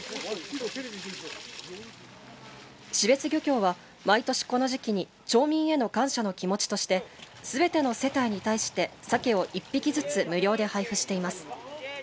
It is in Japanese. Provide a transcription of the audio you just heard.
標津漁協は毎年この時期に町民への感謝の気持ちとしてすべての世帯に対してサケを１匹ずつ無料で配布しています。